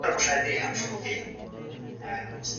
د سالم ذهن لپاره به مطالعه کوئ.